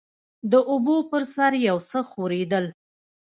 د اوبو پر سر يو څه ښورېدل.